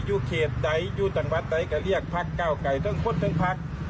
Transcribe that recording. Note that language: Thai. อยู่เขตไหนอยู่จังหวัดใดก็เรียกพักเก้าไกลทั้งคนทั้งพัก